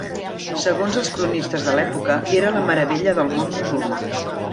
Segons els cronistes de l'època, era la meravella del món musulmà.